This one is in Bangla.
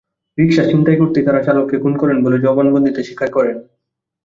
রিকশা ছিনতাই করতেই তাঁরা চালককে খুন করেন বলে জবানবন্দিতে স্বীকার করেন।